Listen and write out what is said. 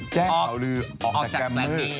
แจ้งข่าวลือออกจากกลางมือ